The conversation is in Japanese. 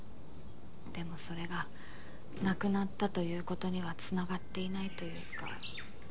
でもそれが亡くなったということには繋がっていないというか。